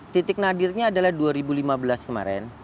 titik nadirnya adalah dua ribu lima belas kemarin